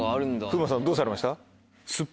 風磨さんどうされました？